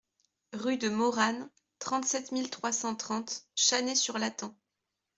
Rue de Moranne, trente-sept mille trois cent trente Channay-sur-Lathan